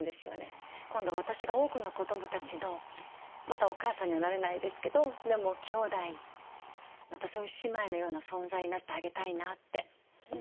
今度私が多くの子どもたちのまだお母さんにはなれないですけどでも兄弟また姉妹のような存在になってあげたいなって思っていて。